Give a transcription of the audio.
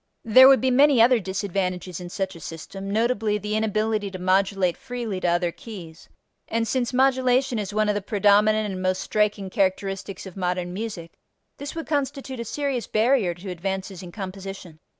There would be many other disadvantages in such a system, notably the inability to modulate freely to other keys, and since modulation is one of the predominant and most striking characteristics of modern music, this would constitute a serious barrier to advances in composition.